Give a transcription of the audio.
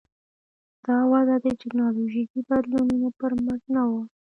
دا وده د ټکنالوژیکي بدلونونو پر مټ نه وه.